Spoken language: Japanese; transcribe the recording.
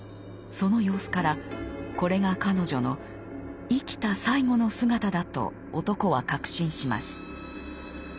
その様子からこれが彼女の生きた最後の姿だと男は確信します。